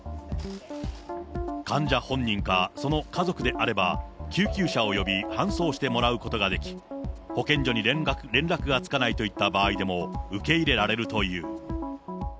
患者本人かその家族であれば、救急車を呼び、搬送してもらうことができ、保健所に連絡がつかないといった場合でも受け入れられるという。